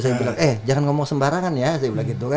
eh jangan ngomong sembarangan ya